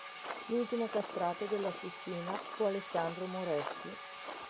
L'ultimo castrato della Sistina fu Alessandro Moreschi.